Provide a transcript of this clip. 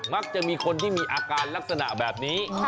มักจะมีคนที่มีอาการลักษณะแบบนี้